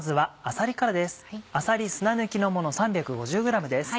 あさり砂抜きのもの３５０ｇです。